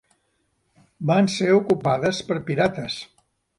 Van ser ocupades per pirates.